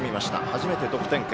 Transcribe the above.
初めて得点圏。